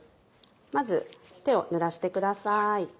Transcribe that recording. まず手をぬらしてください。